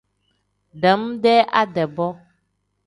Dam-dee ade-bo.